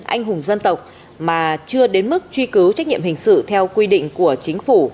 anh hùng dân tộc mà chưa đến mức truy cứu trách nhiệm hình sự theo quy định của chính phủ